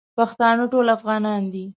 پښتانه ټول افغانان دی